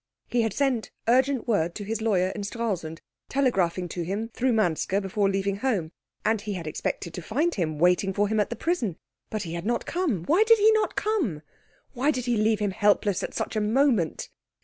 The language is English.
He had sent urgent word to his lawyer in Stralsund, telegraphing to him through Manske before leaving home, and he had expected to find him waiting for him at the prison. But he had not come. Why did he not come? Why did he leave him helpless at such a moment?